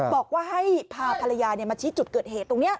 บอกว่าให้พาภรรยามาชี้จุดเกิดเหตุตรงนี้